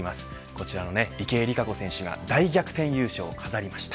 こちらの池江璃花子選手が大逆転優勝を飾りました。